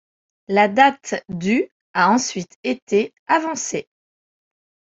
La date du a ensuite été avancée.